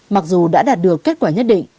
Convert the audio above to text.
mặc dù đã đạt được kết quả nhất định